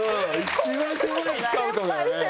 一番狭いスカウトだよね。